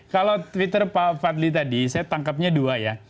kalau twitter pak fadli tadi saya tangkapnya dua ya